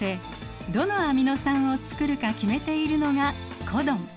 どのアミノ酸を作るか決めているのがコドン。